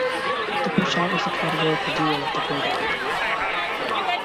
The pushout is the categorical dual of the pullback.